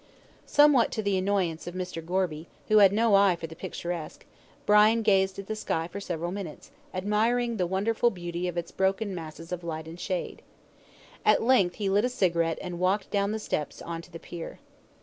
Somewhat to the annoyance of Mr. Gorby, who had no eye for the picturesque, Brian gazed at the sky for several minutes, admiring the wonderful beauty of its broken masses of light and shade. At length he lit a cigarette and walked down the steps on to the pier.